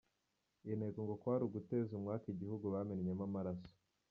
Intego ngo kwari uguteza umwaku igihugu bamennyemo amaraso.